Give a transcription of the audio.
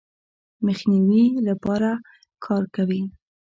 مخنیوي لپاره کار کوي.